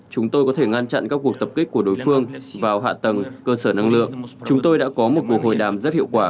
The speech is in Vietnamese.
về việc của đối phương vào hạ tầng cơ sở năng lượng chúng tôi đã có một cuộc hồi đám rất hiệu quả